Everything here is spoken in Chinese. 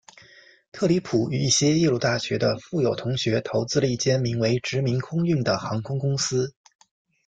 特里普与一些耶鲁大学的富有同学投资了一间名为殖民空运的航空公司。